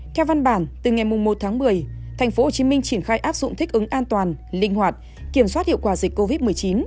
theo văn bản từ ngày một tháng một mươi tp hcm triển khai áp dụng thích ứng an toàn linh hoạt kiểm soát hiệu quả dịch covid một mươi chín